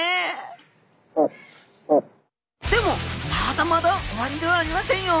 でもまだまだ終わりではありませんよ。